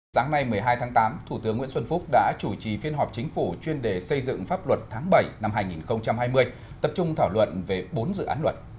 sáng nay một mươi hai tháng tám thủ tướng nguyễn xuân phúc đã chủ trì phiên họp chính phủ chuyên đề xây dựng pháp luật tháng bảy năm hai nghìn hai mươi tập trung thảo luận về bốn dự án luật